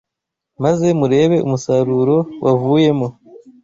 maze murebe umusaruro wavuyemo.